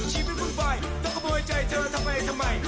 ชีวิตมืดปลายจะขโมยใจเจอทำไมทำไม